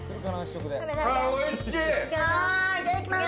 いただきます。